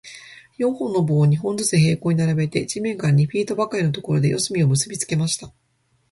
四本の棒を、二本ずつ平行に並べて、地面から二フィートばかりのところで、四隅を結びつけました。